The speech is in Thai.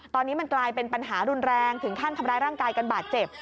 ตอนนี้มันกลายเป็นปัญหารุนแรงถึงขั้นทำร้ายร่างกายกันบาดเจ็บ